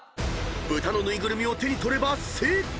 ［豚の縫いぐるみを手に取れば正解！］